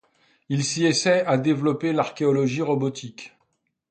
Il s'y essaie à développer l'archéologie robotique.